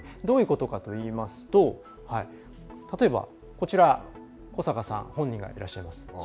どういうことかといいますと例えば、古坂さん本人がいらっしゃいます。